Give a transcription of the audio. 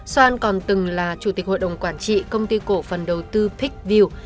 soan còn từng là chủ tịch hội đồng quản trị công ty cổ phần đầu tư pickview